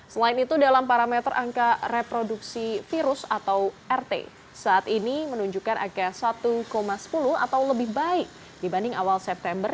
selain itu dalam parameter angka reproduksi virus atau rt saat ini menunjukkan angka satu sepuluh atau lebih baik dibanding awal september